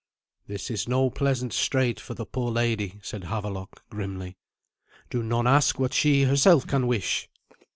"This is no pleasant strait for the poor lady," said Havelok grimly. "Do none ask what she herself can wish?"